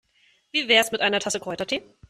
Wie wär's mit einer Tasse Kräutertee?